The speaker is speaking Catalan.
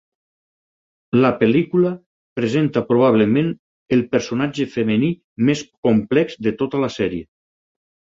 La pel·lícula presenta probablement el personatge femení més complex de tota la sèrie.